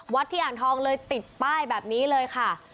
ที่อ่างทองเลยติดป้ายแบบนี้เลยค่ะ